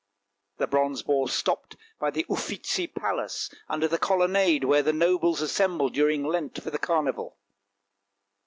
The bronze boar stopped by the Uffizi palace under the colonnade where the nobles assemble during Lent for the carnival.